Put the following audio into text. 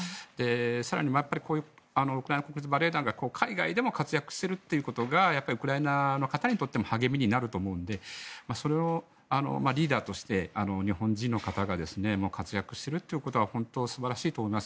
更に、こういうウクライナ国立バレエ団が海外でも活躍しているということがウクライナの方にとっても励みになると思うのでそれをリーダーとして日本人の方が活躍しているっていうことは本当に素晴らしいと思います。